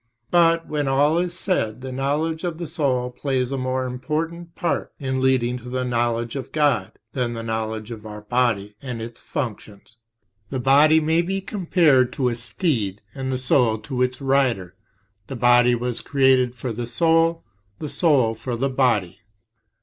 But, when all is said, the knowledge of the soul plays a more important part in leading to the knowledge of God than the knowledge of our body and its functions. The body may be compared to a steed and the soul to its rider; the body was created for the soul, the soul for the body.